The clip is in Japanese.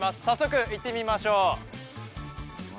早速、行ってみましょう。